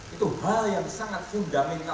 itu hal yang sangat fundamental